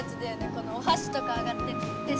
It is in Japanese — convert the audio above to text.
このおはしとかあがってるの。